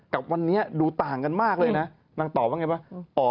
กับวันนี้ดูต่างกันมากเลยนะนางตอบว่าไงบ้าง